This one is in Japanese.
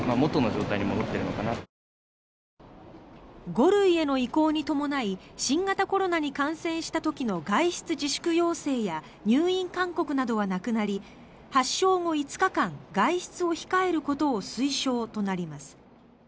５類への移行に伴い新型コロナに感染した時の外出自粛要請や入院勧告などはなくなり発症後５日間外出を控えることを推奨となります。